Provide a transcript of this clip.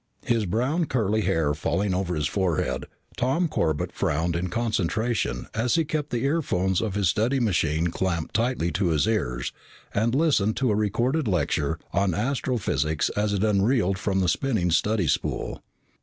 His brown curly hair falling over his forehead, Tom Corbett frowned in concentration as he kept the earphones of his study machine clamped tightly to his ears and listened to a recorded lecture on astrophysics as it unreeled from the spinning study spool.